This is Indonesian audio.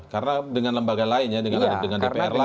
karena dengan lembaga lain ya dengan dpr lagi dengan pemerintah lagi